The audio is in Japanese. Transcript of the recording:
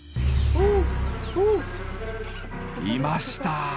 いました。